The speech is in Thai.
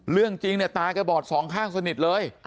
เรื่องจริงเนี่ยตาแกบอดสองข้างสนิทเลย